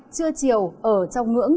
chưa chiều ở trong ngưỡng